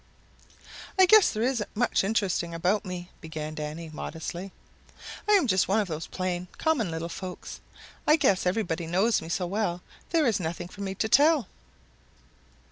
"I guess there isn't much interesting about me," began Danny modestly. "I'm just one of the plain, common little folks. I guess everybody knows me so well there is nothing for me to tell."